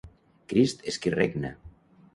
Crist és qui regna.